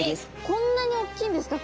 こんなにおっきいんですか？